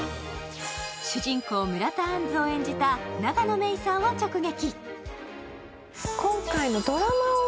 主人公・村田杏子を演じた永野芽郁さんを直撃。